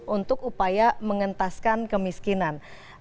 untuk upaya mengentaskan kemiskinan